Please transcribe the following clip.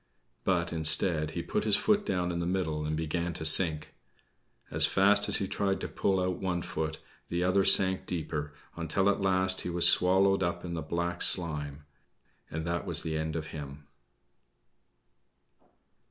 But, instead, he put his foot down in the middle and began to sink. As fast as he tried to pull out one foot, the other sank deeper, until at last he was swallowed up in the black slime and that was the end of him.